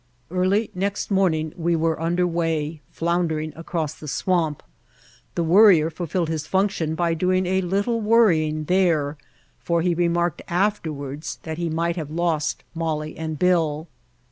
Early next morning we were underway, floundering across the swamp. The Worrier' fulfilled his function by doing a little worrying there, for he remarked afterwards that he might have lost Molly and Bill.